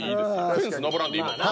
フェンス登らんでいいもんな。